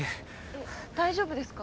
え大丈夫ですか？